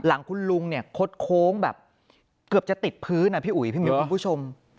หลังคุณลุงเนี่ยคดโค้งแบบเกือบจะติดพื้นอ่ะพี่อุ๋ยพี่มิ้วคุณผู้ชม